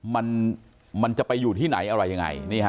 มันมันจะไปอยู่ที่ไหนอะไรยังไง